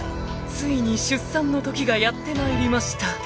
［ついに出産の時がやってまいりました］